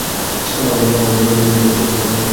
আমাদের সেই ফোন বিলটা দেন?